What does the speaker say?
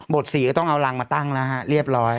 บท๔ก็ต้องเอารังมาตั้งนะฮะเรียบร้อย